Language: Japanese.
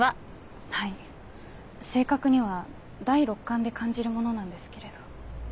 はい正確には第六感で感じるものなんですけれど。